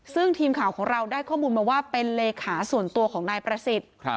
ซึ่งทีมข่าวของเราได้ข้อมูลมาว่าเป็นเลขาส่วนตัวของนายประสิทธิ์